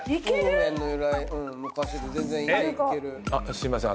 すいません。